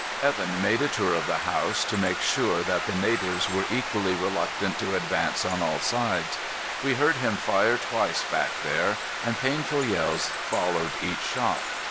Evan made a tour of the house, to make sure that the natives were equally reluctant to advance on all sides. We heard him fire twice back there, and painful yells followed each shot.